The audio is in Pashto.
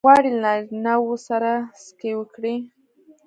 غواړې له نارینه وو سره سکی وکړې؟